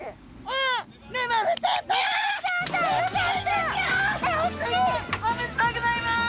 おめでとうございます！